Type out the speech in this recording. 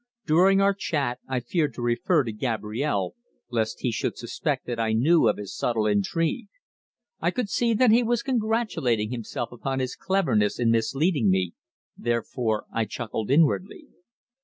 During our chat I feared to refer to Gabrielle lest he should suspect that I knew of his subtle intrigue. I could see that he was congratulating himself upon his cleverness in misleading me, therefore I chuckled inwardly.